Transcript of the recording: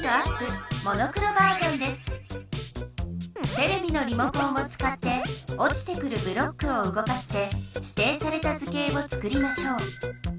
テレビのリモコンをつかって落ちてくるブロックを動かしてしていされた図形をつくりましょう。